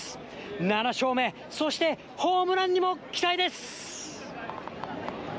７勝目、そしてホームランにも期待です。